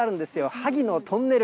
萩のトンネル。